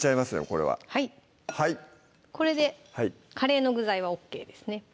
これははいこれでカレーの具材はＯＫですね